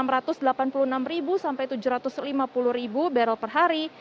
rp enam ratus delapan puluh enam sampai tujuh ratus lima puluh barrel per hari